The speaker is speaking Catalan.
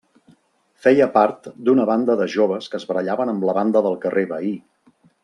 Feia part d'una banda de joves que es barallaven amb la banda del carrer veí.